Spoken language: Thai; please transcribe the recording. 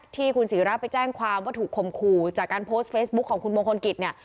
ที่คุณศิราไปแจ้งความว่าถูกคมขู่จากการโพสต์เฟซบุ๊คของคุณมงคลกิจเนี่ย